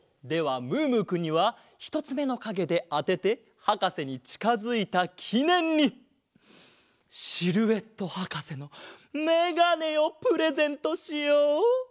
ではムームーくんにはひとつめのかげであててはかせにちかづいたきねんにシルエットはかせのメガネをプレゼントしよう！